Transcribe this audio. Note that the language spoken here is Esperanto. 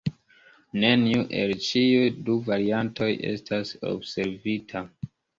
Neniu el ĉiuj du variantoj estas observita.